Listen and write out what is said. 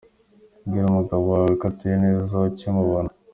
Bwira umugabo wawe ko ateye neza ukimubona.